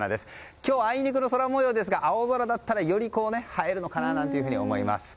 今日、あいにくの空模様ですが青空だったらより映えるのかななんていうふうに思います。